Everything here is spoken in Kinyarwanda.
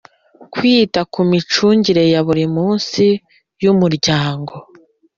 Kwita ku micungire ya buri munsi y Umuryango